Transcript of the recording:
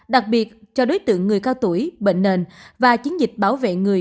đặc biệt cho đối tượng người cao tuổi bệnh nền và chiến dịch bảo vệ người